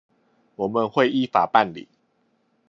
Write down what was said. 我們會依法辦理